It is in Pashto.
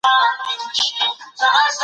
درملني ته لاسرسی د هر چا حق دی.